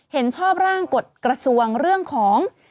เห็นชอบร่างกฎกระทรวงเรื่องของ